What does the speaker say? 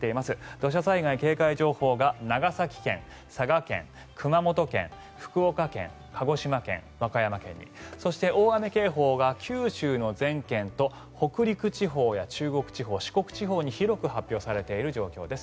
土砂災害警戒情報が長崎県、佐賀県、熊本県福岡県、鹿児島県、和歌山県にそして、大雨警報が九州の全県と北陸地方や中国地方四国地方に広く発表されている状況です。